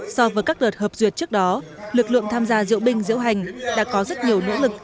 so với các đợt hợp duyệt trước đó lực lượng tham gia diễu binh diễu hành đã có rất nhiều nỗ lực